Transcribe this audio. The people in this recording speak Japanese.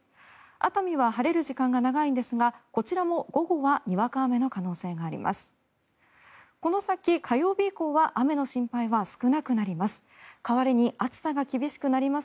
熱海は晴れる時間が長いんですがこちらも午後はにわか雨の可能性があります。